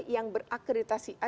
yang berakreditasi a